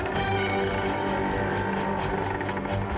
jadi apakah bikin adik adik